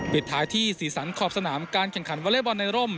ปิดท้ายที่สีสันขอบสนามการแข่งขันวอเล็กบอลในร่ม